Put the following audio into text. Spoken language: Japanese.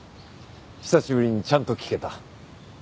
久しぶりにちゃんと聞けた。